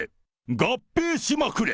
合併しまくれ！